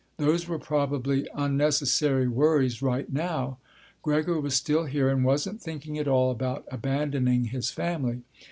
Those were probably unnecessary worries right now. Gregor was still here and wasn't thinking at all about abandoning his family.